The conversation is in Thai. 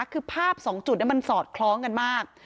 คือภาพ๒จุดมันสอดคล้องกันมาก